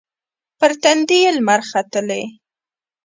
پر تندې یې لمر ختلي